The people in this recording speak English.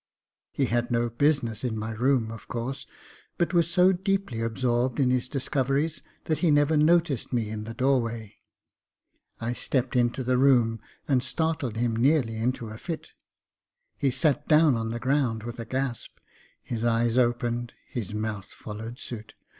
He had no business in my room, of course; but was so deeply absorbed in his discoveries that he never noticed me in the doorway. I stepped into the room and startled him nearly into a fit. He sat down on the ground with a gasp. His eyes opened, and his mouth followed suit.